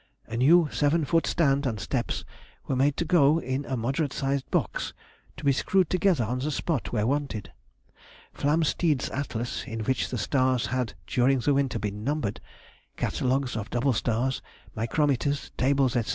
A new seven foot stand and steps were made to go in a moderate sized box, to be screwed together on the spot where wanted. Flamsteed's Atlas, in which the stars had during the winter been numbered, catalogues of double stars, micrometers, tables, &c.